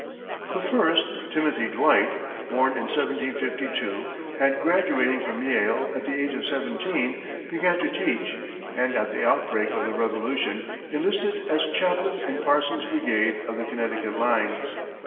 The first Timothy Dwight, born in 1752, and graduating from Yale at the age of seventeen, began to teach, and at the outbreak of the Revolution, enlisted as Chaplain in Parson's brigade of the Connecticut line.